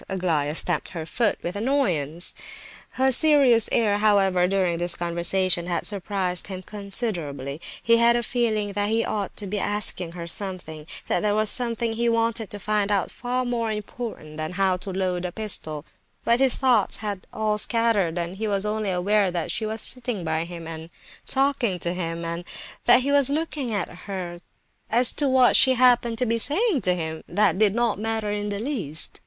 Aglaya stamped her foot with annoyance. Her serious air, however, during this conversation had surprised him considerably. He had a feeling that he ought to be asking her something, that there was something he wanted to find out far more important than how to load a pistol; but his thoughts had all scattered, and he was only aware that she was sitting by him, and talking to him, and that he was looking at her; as to what she happened to be saying to him, that did not matter in the least.